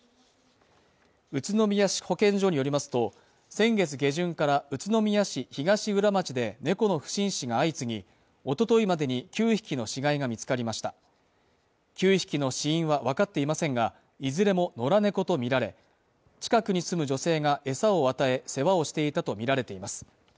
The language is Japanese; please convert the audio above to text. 宇都宮市保健所によりますと先月下旬から宇都宮市東浦町で猫の不審死が相次ぎおとといまでに９匹の死骸が見つかりました９匹の死因は分かっていませんがいずれも野良猫と見られ近くに住む女性が餌を与え世話をしていたと見られています